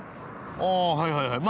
あはいはい。